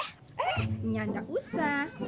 eh ini anda usah